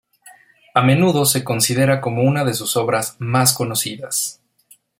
A menudo se considera como una de sus obras más conocidas.